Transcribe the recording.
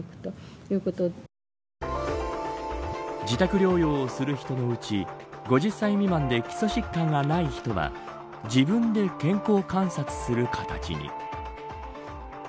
自宅療養をする人のうち５０歳未満で基礎疾患がない人は自分で健康観察する形に。